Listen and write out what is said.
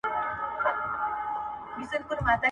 د نظر اختلاف د پرمختګ نښه ده.